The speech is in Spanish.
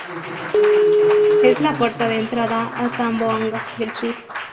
Es la puerta de entrada a Zamboanga del Sur.